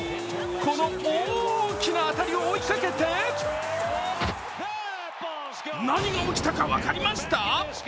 この大きな当たりを追いかけて何が起きたか分かりました？